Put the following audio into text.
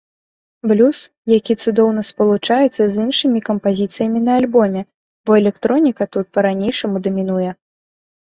Блюз, які цудоўна спалучаецца з іншымі кампазіцыямі на альбоме, бо электроніка тут па-ранейшаму дамінуе.